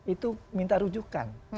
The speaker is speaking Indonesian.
itu minta rujukan